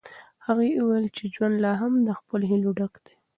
هغې وویل چې ژوند لا هم له هیلو ډک دی.